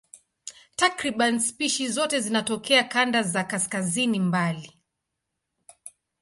Takriban spishi zote zinatokea kanda za kaskazini mbali.